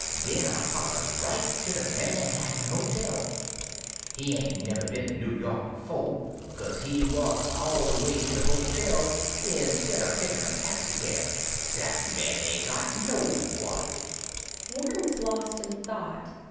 Den I follows right to de Manhattan Hotel. He ain't nebber been in Noo York befoh, because he walks all de way to de hotel instid o' takin' a taxicab. Dat man ain't no quality!" Warren was lost in thought.